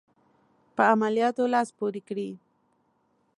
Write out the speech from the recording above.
په عملیاتو لاس پوري کړي.